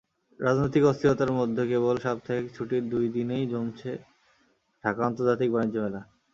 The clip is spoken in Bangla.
রাজনৈতিক অস্থিরতার মধ্যে কেবল সাপ্তাহিক ছুটির দুই দিনেই জমছে ঢাকা আন্তর্জাতিক বাণিজ্য মেলা।